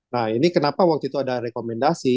nah ini kenapa waktu itu ada rekomendasi